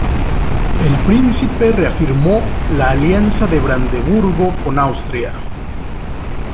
El príncipe reafirmó la alianza de Brandeburgo con Austria.